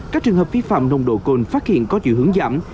các trường hợp phi phạm nồng độ cồn phát hiện có dự hướng giảm